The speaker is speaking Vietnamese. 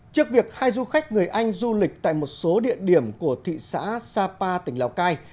trước việc hai du khách người anh du lịch tại một số địa điểm của thị xã sapa tỉnh lào cai